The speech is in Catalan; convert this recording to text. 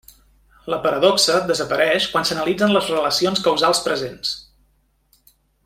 La paradoxa desapareix quan s'analitzen les relacions causals presents.